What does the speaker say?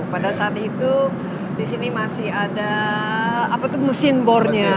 pada saat itu di sini masih ada mesin bornya